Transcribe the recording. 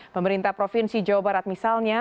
pemerintah provinsi jawa barat misalnya